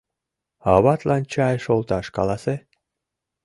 Аватлан чай шолташ каласе.